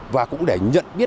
và cũng để nhận biết